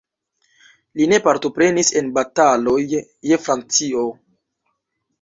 Li ne partoprenis en bataloj je Francio.